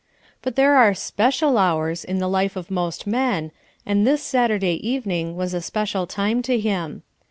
But there are special hours in the life of most men, and this Saturday evening was a special time to him.